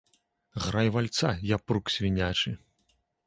Грай вальца, япрук свінячы!